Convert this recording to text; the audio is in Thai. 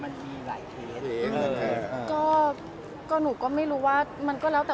ในสังฝากของพี่บอกว่ามันมีหลายเทส